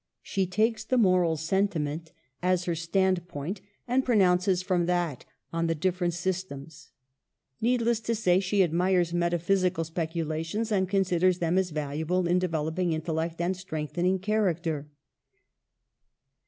She takes the moral sentiment as her standpoint, and pronounces from that on the different sys tems. Needless to say, she admires metaphys ical speculations, and considers them as valuable in developing intellect and strengthening char acter.